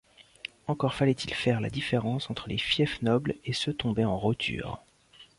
Encore fallait-il faire la différence entre les fiefs nobles et ceux tombés en roture.